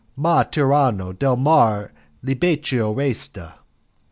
'Ma tiranno del mar Libecchio resta.